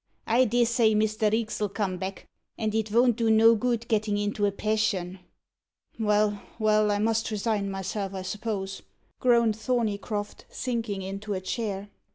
I dessay Mr. Reeks'll come back, and it von't do no good gettin' into a passion." "Well, well, I must resign myself, I suppose," groaned Thorneycroft, sinking into a chair.